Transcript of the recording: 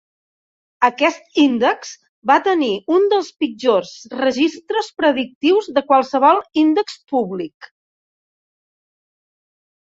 Aquest índex va tenir un dels pitjors registres predictius de qualsevol índex públic.